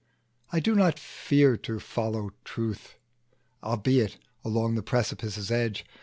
I do not fear to follow out the truth, Albeit along the precipice's edge.